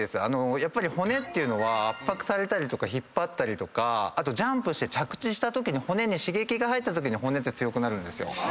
やっぱり骨っていうのは圧迫されたり引っ張ったりとかあとジャンプして着地したときに骨に刺激が入ったときに骨って強くなるんですよ。